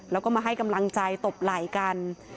แล้วก็มาให้กำลังใจตบไหล่กัน